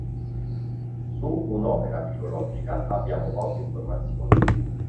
Su un'opera filologica abbiamo poche informazioni.